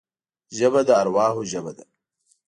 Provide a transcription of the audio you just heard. ژبه د ارواحو ژبه ده